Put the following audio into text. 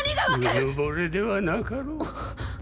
自惚れではなかろう。！